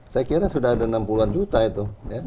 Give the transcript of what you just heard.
saya kira sudah ada enam puluh an juta itu